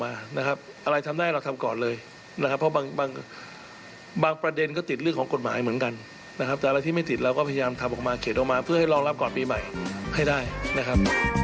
อะไรนะครับอะไรทำได้เราทำก่อนเลยนะครับเพราะบางประเด็นก็ติดเรื่องของกฎหมายเหมือนกันนะครับแต่อะไรที่ไม่ติดเราก็พยายามทำออกมาเข็ดออกมาเพื่อให้รองรับก่อนปีใหม่ให้ได้นะครับ